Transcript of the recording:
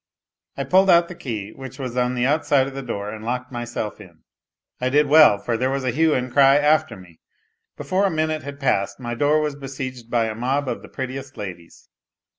I pulled out the key, which was on the outside of the door, and locked myself in. I did well, for there was a hue and cry after me. Before a minute had ; passed my door was besieged by a mob of the prettiest ladies.